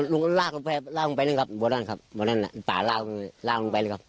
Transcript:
ลุงก็ลากลงไปล่ะครับบนป่าลอกลงไป